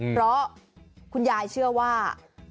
เพราะคุณยายเชื่อว่า